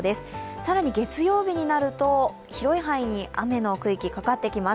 更に月曜日になると広い範囲に雨の区域がかかってきます。